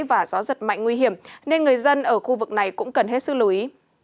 và gió giật mạnh nguy hiểm nên người dân ở khu vực này cũng cần hết sức lưu ý